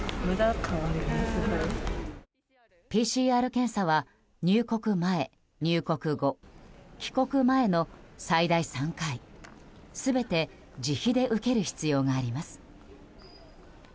ＰＣＲ検査は入国前、入国後、帰国前の最大３回、全て自費で受ける必要があります。